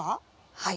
はい。